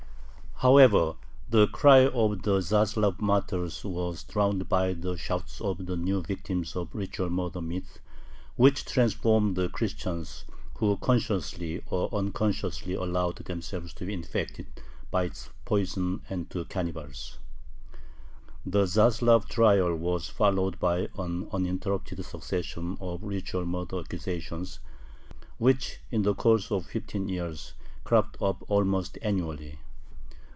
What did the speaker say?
However, the cry of the Zaslav martyrs was drowned by the shouts of the new victims of the ritual murder myth, which transformed the Christians who consciously or unconsciously allowed themselves to be infected by its poison into cannibals. The Zaslav trial was followed by an uninterrupted succession of ritual murder accusations, which in the course of fifteen years cropped up almost annually.